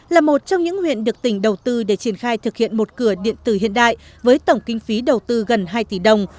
là một trong những huyện được tỉnh đầu tư để triển khai thực hiện một cửa điện tử hiện đại với tổng kinh phí đầu tư gần hai tỷ đồng